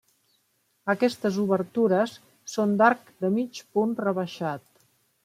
Aquestes obertures són d'arc de mig punt rebaixat.